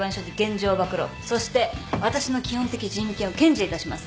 そして私の基本的人権を堅持いたします。